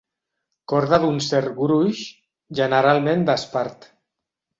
Corda d'un cert gruix, generalment d'espart.